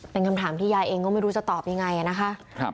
เป็นคำถามที่ยายเองก็ไม่รู้จะตอบยังไงนะคะ